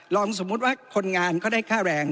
สมมุติว่าคนงานเขาได้ค่าแรง